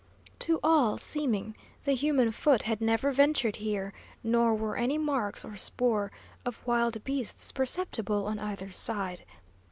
To all seeming, the human foot had never ventured here, nor were any marks or spoor of wild beasts perceptible on either side.